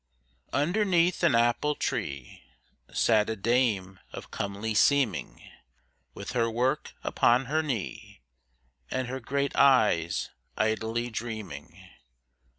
Underneath an apple tree Sat a dame of comely seeming, With her work upon her knee, And her great eyes idly dreaming.